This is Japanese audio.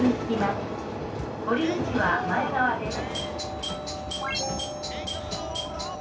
降り口は前側です」。